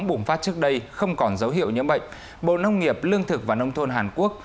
bùng phát trước đây không còn dấu hiệu nhiễm bệnh bộ nông nghiệp lương thực và nông thôn hàn quốc